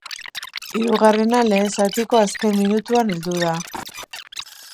Hirugarrena lehen zatiko azken minutuan heldu da.